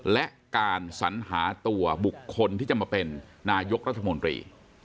และการสัญหาตัวบุคคลที่จะมาเป็นนายกรัฐมนตรี